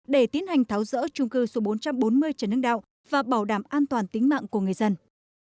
để tiến hành tháo rỡ trung cư số bốn trăm bốn mươi trần hưng đạo và bảo đảm an toàn tính mạng của người dân